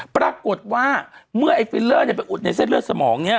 ปรากฏว่าเมื่อไอ้ฟิลเลอร์ไปอุดในเส้นเลือดสมองเนี่ย